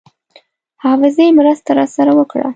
حافظې مرسته راسره وکړه.